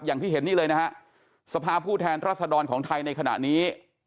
อย่างที่เห็นนี่เลยนะฮะสภาพผู้แทนรัศดรของไทยในขณะนี้